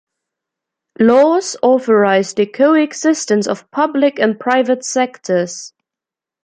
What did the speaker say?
Laws authorize the coexistence of public and private sectors.